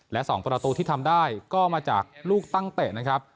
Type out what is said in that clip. และ๒ประตูที่ทำได้ก็มาจากลูกตั้งเตะนะครับ